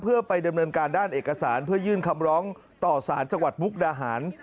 เพื่อไปดำเนินการด้านเอกสารเพื่อยื่นคำร้องต่อสารจังหวัดมุกดาหาร